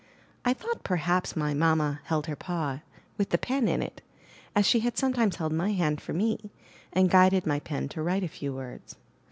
I thought perhaps my mamma held her paw, with the pen in it, as she had sometimes held my hand for me, and guided my pen to write a few words.